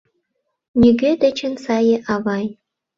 — Нигӧ дечын сае авай.